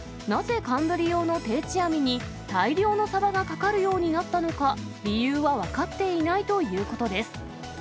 なぜ寒ブリ用の定置網に大量のサバがかかるようになったのか、理由は分かっていないということです。